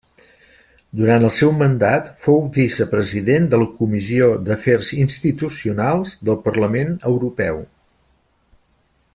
Durant el seu mandat fou vicepresident de la Comissió d'Afers Institucionals del Parlament Europeu.